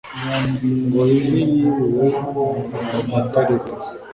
ngo yuhi yibiwe ingoma atari we